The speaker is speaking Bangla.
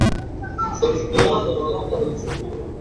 শত শত মন্দির এবং পূজাতে কত নিষ্ঠার সাথে প্রার্থনা করেছিল।